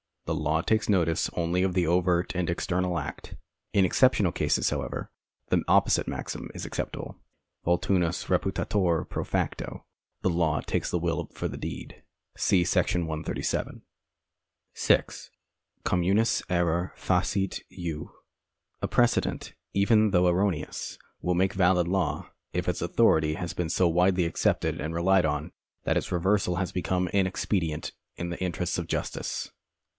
The law takes notice only of the overt and external act. In exceptional cases, however, the opposite maxim is applicable : Voluntas reputatur pro facto — The law takes the will for the deed. See § 137. 6. Communis error facit jus. Coke's Fourth Inst. f. 240. Cf. D. 33. 10. 3. 5 : Error jus facit. A precedent, even though erroneous, will make valid law, if its authority has been so widely accepted and relied on that its reversal has become inexpedient in the interests of justice.